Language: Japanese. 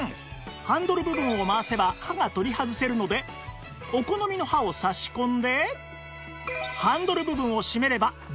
ハンドル部分を回せば刃が取り外せるのでお好みの刃を差し込んでハンドル部分を閉めれば準備完了